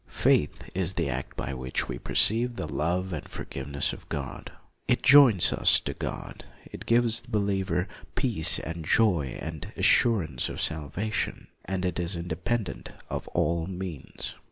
Faith is the act by which we perceive the love and forgiveness of God. It joins us to God; it gives the believer peace and joy and assurance of salvation. And it is independent of all means.